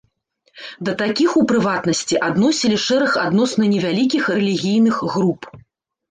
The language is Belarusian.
Да такіх, у прыватнасці адносілі шэраг адносна невялікіх рэлігійных груп.